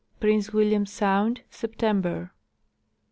Prince William sound, September.